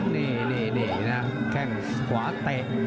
นี่นะแข้งขวาเตะ